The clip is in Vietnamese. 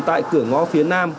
tại cửa ngõ phía nam